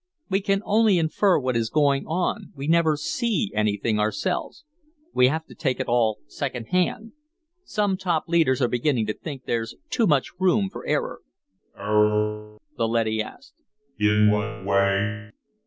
We can only infer what is going on. We never see anything ourselves. We have to take it all secondhand. Some top leaders are beginning to think there's too much room for error." "Error?" the leady asked. "In what way?